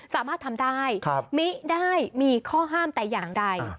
สามารถทำได้มิได้มีข้อห้ามแต่อย่างใด